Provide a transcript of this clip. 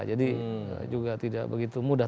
jadi juga tidak begitu mudah